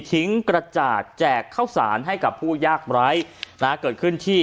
กระจาดแจกข้าวสารให้กับผู้ยากไร้นะฮะเกิดขึ้นที่